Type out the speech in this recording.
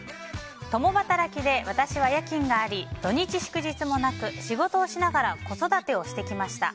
共働きで私は夜勤があり土日祝日もなく仕事をしながら子育てをしてきました。